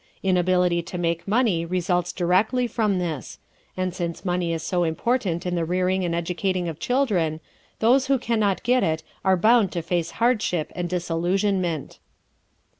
Inability to make money results directly from this, and since money is so important in the rearing and educating of children, those who can not get it are bound to face hardship and disillusionment.